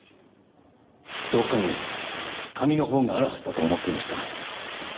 どこかに紙のほうがあるはずだと思っていました。